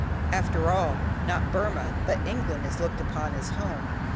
After all, not Burmah, but England is looked upon as "Home."